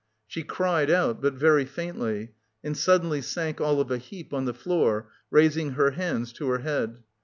She cried out, but very faintly, and suddenly sank all of a heap on the floor, raising her hands to her head.